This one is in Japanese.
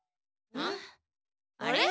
あれ？